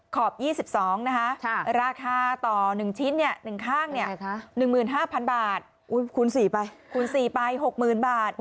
ขอบ๒๒นะคะราคาต่อ๑ชิ้นเนี่ย๑ข้างเนี่ยคุณสี่ไปคุณสี่ไป๖๐๐๐๐บาท